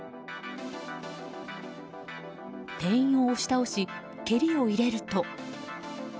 店員を押し倒し蹴りを入れると。